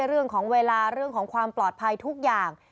เรื่องของเวลาเรื่องของความปลอดภัยทุกอย่าง